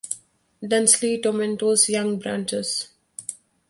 Densely tomentose young branches.